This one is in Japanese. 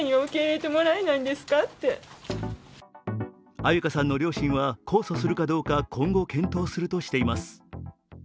安優香さんの両親は控訴するかどうか今後検討するとしています。